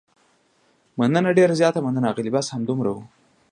مننه، ډېره زیاته مننه، اغلې، بس همدومره و.